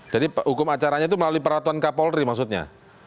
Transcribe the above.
jadi hukum acaranya itu melalui peraturan kapolri maksudnya